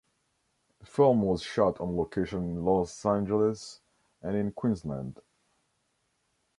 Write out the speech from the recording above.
The film was shot on location in Los Angeles and in Queensland.